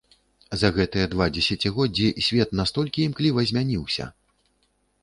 За гэтыя два дзесяцігоддзі свет настолькі імкліва змяніўся!